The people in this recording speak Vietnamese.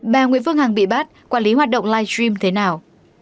bà nguyễn phương hằng bị bắt quản lý hoạt động live stream thế nào